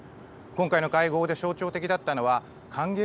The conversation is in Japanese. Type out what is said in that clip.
今回の会合で象徴的だったのは歓迎